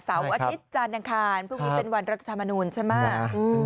เสาร์อาทิตย์จานทางคารพรุ่งนี้เป็นวันรัฐธรรมนุษย์ใช่ไหม